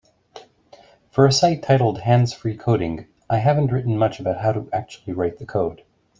For a site titled Hands-Free Coding, I haven't written much about How To Actually Write The Code.